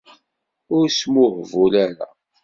Ur smuhbul ara